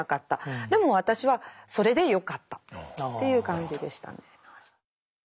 でも私はそれでよかったっていう感じでしたね。